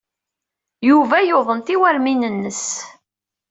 Yuba yuḍen tiwermin-nnes.